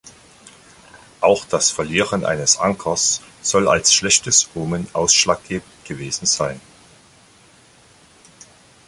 Auch das Verlieren eines Ankers soll als schlechtes Omen ausschlaggebend gewesen sein.